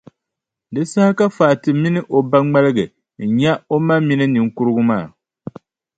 Di saha ka Fati mini o ba ŋmaligi n-nya o ma mini niŋkurugu maa.